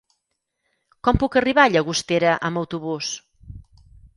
Com puc arribar a Llagostera amb autobús?